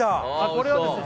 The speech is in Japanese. これはですね